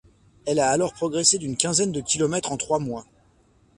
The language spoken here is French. Elle a alors progressé d'une quinzaine de kilomètres en trois mois.